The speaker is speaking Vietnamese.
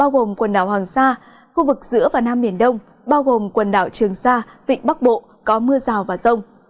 gồm quần đảo hoàng sa khu vực giữa và nam biển đông bao gồm quần đảo trường sa vịnh bắc bộ có mưa rào và rông